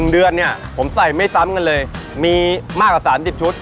๑เดือนเนี่ยผมใส่ไม่ซ้ำกันเลยมีมากกว่า๓๐ชุด